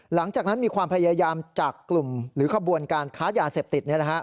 หลังจากนั้นมีความพยายามจากกลุ่มหรือขบวนการค้ายาเสพติด